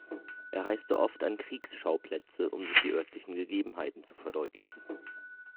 Er reiste oft an Kriegsschauplätze, um sich die örtlichen Gegebenheiten zu verdeutlichen.